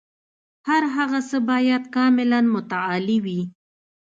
هر هغه څه باید کاملاً متعالي وي.